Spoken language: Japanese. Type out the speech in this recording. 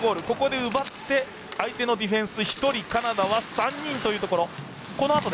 ここで奪って相手のディフェンス、カナダは３人というところ。